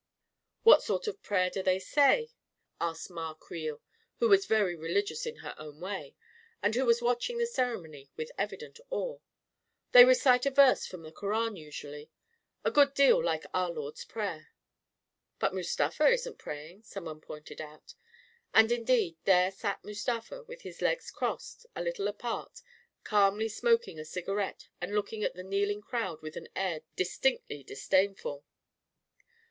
What sort of^ prayer do they say?" asked Ma Creel, who ,jras vefy religious in her own way, and who was watching the ceremony with evident awe. " They recite a verse from the Koran, usually — a good deal like our Lord's prayer." " But Mustafa isn't praying," someone pointed out; and indeed there sat Mustafa with his legs crossed, a little apart, calmly smoking a cigarette and looking at the kneeling crowd with an air dis tinctly disdainful.